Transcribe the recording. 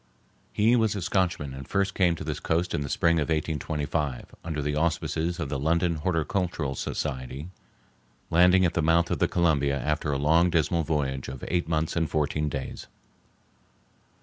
He was a Scotchman and first came to this coast in the spring of 1825 under the auspices of the London Horticultural Society, landing at the mouth of the Columbia after a long dismal voyage of eight months and fourteen days.